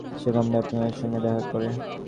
সে commander অ্যাপাকর্নের সঙ্গে দেখা করে।